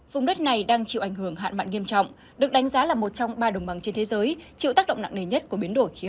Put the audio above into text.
vùng đất này đang chịu ảnh hưởng hạn mặn nghiêm trọng được đánh giá là một trong ba đồng bằng trên thế giới chịu tác động nặng nề nhất của biến đổi khí hậu